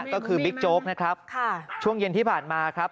ก็คือบิ๊กโจ๊กนะครับช่วงเย็นที่ผ่านมาครับ